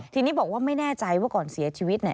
ทีนี้บอกว่าไม่แน่ใจว่าก่อนเสียชีวิตเนี่ย